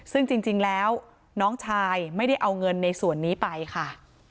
ซึ่งจริงแล้วน้องชายไม่ได้เอาเงินในส่วนนี้ไปค่ะ